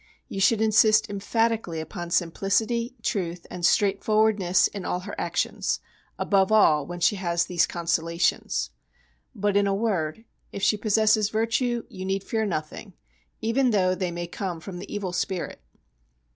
You should insist emphatically upon simplicity, truth, and straightforwardness in all her actions, above all when she has these consolations. But in a word, if she possesses virtue you need fear nothing, even though they may come from the evil spirit.